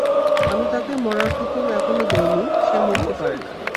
আমি তাকে মরার হুকুম এখনও দেই নি, সে মরতে পারে না।